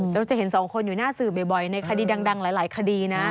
เราจะเห็นสองคนอยู่หน้าสื่อบ่อยในคดีดังหลายคดีนะ